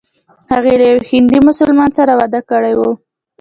هغې له یوه هندي مسلمان سره واده کړی و.